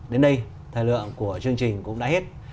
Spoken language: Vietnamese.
đến đây thời lượng của chương trình cũng đã hết